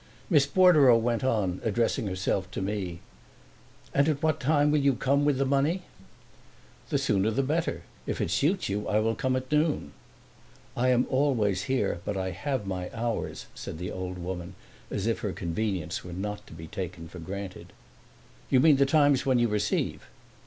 Miss Bordereau went on, addressing herself to me: "And what time will you come tomorrow with the money?" "The sooner the better. If it suits you I will come at noon." "I am always here but I have my hours," said the old woman, as if her convenience were not to be taken for granted. "You mean the times when you receive?"